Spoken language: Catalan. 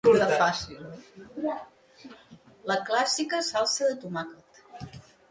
la clàssica salsa de tomàquet